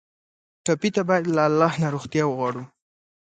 ټپي ته باید له الله نه روغتیا وغواړو.